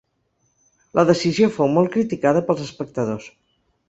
La decisió fou molt criticada pels espectadors.